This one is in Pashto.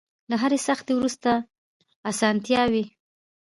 له هرې سختۍ وروسته ارسانتيا وي.